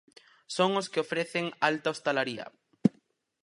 Son os que ofrecen alta hostalaría.